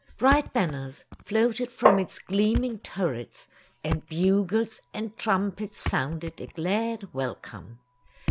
Bright banners floated from its gleaming turrets, and bugles and trumpets sounded a glad welcome.